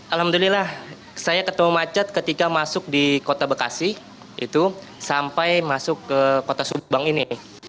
alhamdulillah saya ketemu macet ketika masuk di kota bekasi itu sampai masuk ke kota subang ini